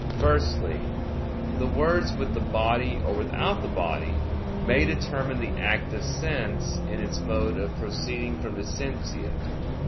Firstly, the words "with the body or without the body" may determine the act of sense in its mode of proceeding from the sentient.